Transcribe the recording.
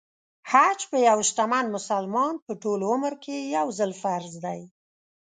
حج په یو شتمن مسلمان په ټول عمر کې يو ځل فرض دی .